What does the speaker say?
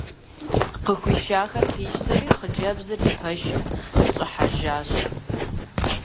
Къыхуишахэр къищтэри, хъыджэбзыр и пэшым щӀыхьэжащ.